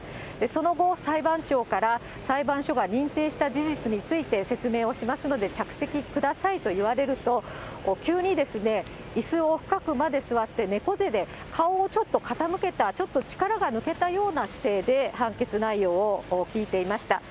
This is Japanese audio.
その後、裁判長から裁判所が認定した事実について説明をしますので着席くださいと言われると、急にいすを深くまで座って、猫背で顔をちょっと傾けた、ちょっと力が抜けたような姿勢で、判決内容を聞いていました。